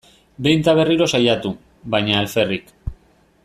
Behin eta berriro saiatu, baina alferrik.